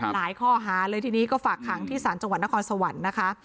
ข้อหาเลยทีนี้ก็ฝากขังที่ศาลจังหวัดนครสวรรค์นะคะ